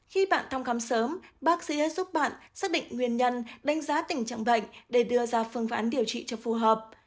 khi bạn thăm khám sớm bác sĩ giúp bạn xác định nguyên nhân đánh giá tình trạng bệnh để đưa ra phương án điều trị cho phù hợp